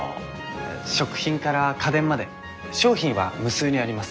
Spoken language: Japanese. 食品から家電まで商品は無数にあります。